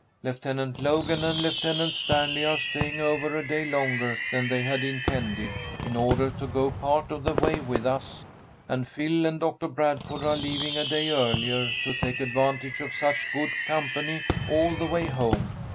Lieutenant Logan and Lieutenant Stanley are staying over a day longer than they had intended, in order to go part of the way with us, and Phil and Doctor Bradford are leaving a day earlier to take advantage of such good company all the way home.